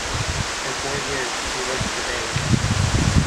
For four years, he worked for Bayes.